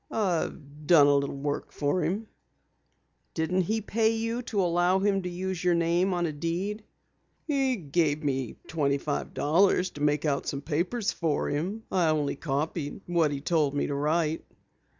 "I've done a little work for him." "Didn't he pay you to allow him to use your name on a deed?" "He gave me twenty five dollars to make out some papers for him. I only copied what he told me to write."